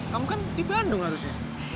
kamu kan di bandung harusnya